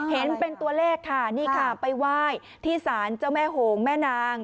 เห็นเป็นตัวเลขค่ะนี่ค่ะไปไหว้ที่สารเจ้าแม่โหงแม่นาง